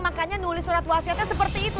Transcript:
makanya nulis surat wasiatnya seperti itu